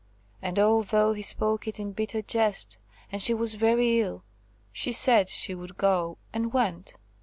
And although he spoke it in bitter jest, and she was very ill, she said she would go, and went.